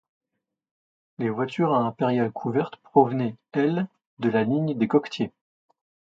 Les voitures à impériale couverte provenaient, elles, de la ligne des Coquetiers.